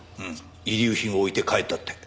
遺留品を置いて帰ったって。